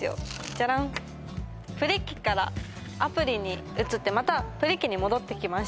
ジャランプリ機からアプリに移ってまたプリ機に戻ってきました